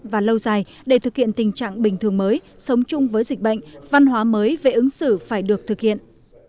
và lâu dài để thực hiện tình trạng bình thường mới sống chung với dịch bệnh văn hóa mới về ứng xử phải được thực hiện